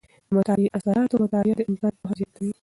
د مطالعې د اثراتو مطالعه د انسان پوهه زیاته وي.